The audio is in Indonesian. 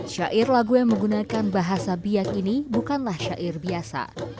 syair lagu yang menggunakan bahasa biak ini bukanlah syair biasa